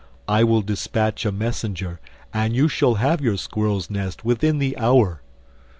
I will despatch a messenger and you shall have your squirrel's nest within the hour."